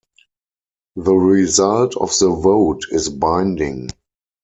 The result of the vote is binding.